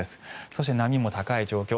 そして、波も高い状況